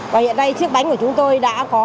và hiện nay chiếc bánh của chúng tôi đã có